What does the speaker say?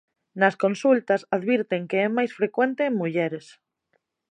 Nas consultas advirten que é máis frecuente en mulleres.